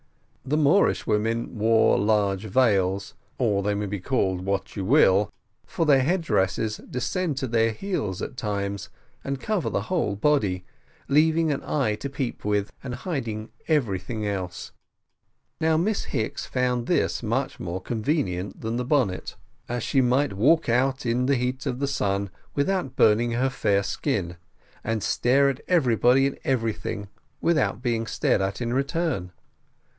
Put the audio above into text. The Moorish women wore large veils, or they may be called what you will, for their head dresses descend to their heels at times, and cover the whole body, leaving an eye to peep with, and hiding everything else. Now Miss Julia found this much more convenient than the bonnet, as she might walk out in the heat of the sun without burning her fair skin, and stare at everybody and everything without being stared at in return.